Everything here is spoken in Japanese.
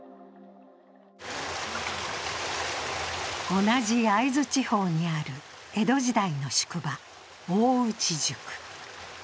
同じ会津地方にある江戸時代の宿場、大内宿。